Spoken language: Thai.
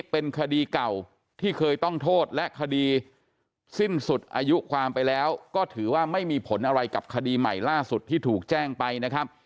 เป็นคดีเก่าที่เคยต้องโทษและคดีสิ้นสุดอายุความไปแล้วก็ถือว่าไม่มีผลอะไรกับคดีใหม่ล่าสุดที่ถูกแจ้งไปนะครับ